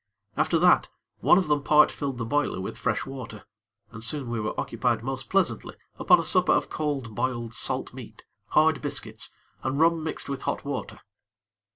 After that, one of them part filled the boiler with fresh water, and soon we were occupied most pleasantly upon a supper of cold, boiled salt meat, hard biscuits, and rum mixed with hot water.